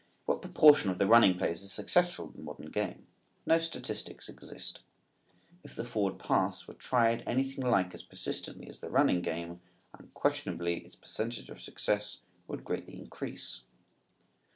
What proportion of the running plays are successful in the modern game? No statistics exist. If the forward pass were tried anything like as persistently as the running game, unquestionably its percentage of success would greatly increase.